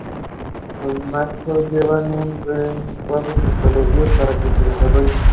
Los machos llevan los renacuajos hasta los ríos para que se desarrollen.